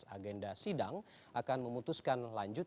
agenda sidang akan memutuskan lanjut